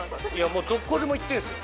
もうどこでも行ってるんですよ